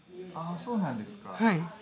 そうなんですか。